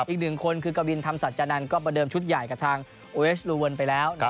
อีกหนึ่งคนคือกวินธรรมสัจจานันทร์ก็ประเดิมชุดใหญ่กับทางโอเอสลูเวิร์นไปแล้ว